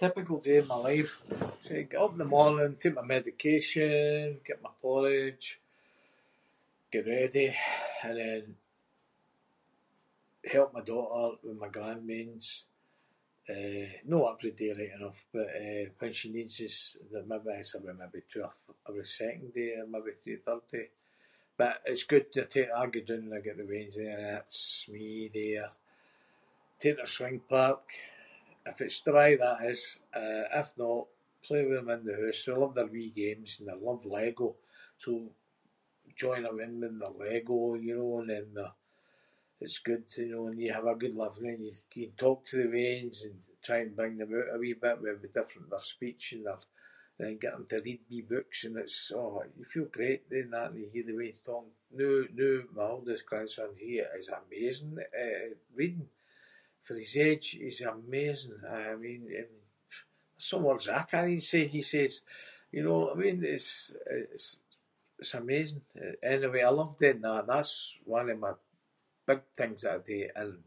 Typical day in my life? I get up in the morning, take my medication, get my porridge, get ready and then help my daughter with my grandweans. Eh, no every day right enough but, eh, when she needs us- maybe [inc] maybe two or every second day or three every third day, but it’s good to take- I go doon and I get the weans and that’s me there. Take them to the swing park if it’s dry, that is. Eh, if not play with them in the hoose. They love their wee games and they love Lego, so join them in with their Lego and then they’re- it’s good, you know, and then you have good laugh and you- you talk to the weans and try and bring them oot a wee bit. Maybe different- their speech and their- and then get them to read wee books and it’s- aw, you feel great doing that and you hear the weans talkin- noo- noo my oldest grandson- he is amazing at, eh, reading. For his age he’s amazing, know what I mean? I mean there’s some words I cannae say he says, you know what I mean? It’s, eh, it’s- it's amazing. Anyway I love doing that. That’s one of my big things that I do and-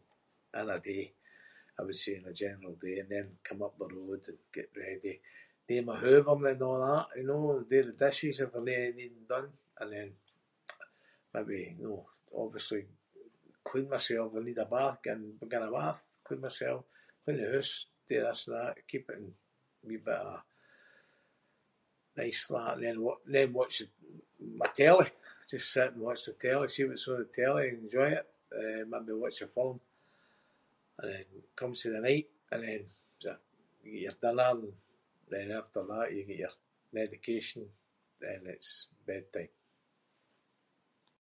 in a day I would say- in a general day. And then come up the road and get ready doing my hoovering and a’ that, you know, do the dishes if there any needing done. And then, maybe, know, obviously clean myself. If I need a bath, go in a bath and clean myself. Clean the hoose. Do this and that. Keep it in a wee bit of- nice like that. And then watch- then watch m-my telly. Just sit and watch the telly- see what’s on the telly and enjoy it. Eh, maybe watch a film. And then when it comes to the night and then you get your dinner and then after that you get your medication. Then it’s bedtime.